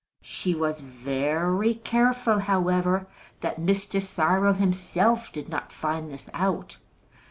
She was very careful, however, that Mr. Cyril himself did not find this out.